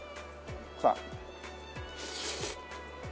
さあ。